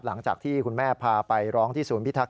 หลังจากที่คุณแม่พาไปร้องที่ศูนย์พิทักษ